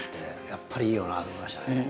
やっぱりいいよなと思いましたね。